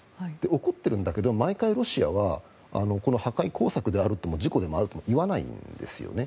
起こっているんだけど毎回ロシアは破壊工作であるとも事故であるとも言わないんですよね。